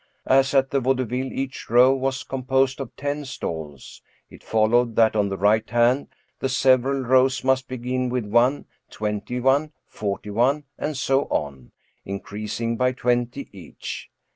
As at the Vaudeville each row was composed of ten stalls, it followed that on the right hand the several rows must begin with one, twenty one, forty one, and so on, increas ing by twenty each.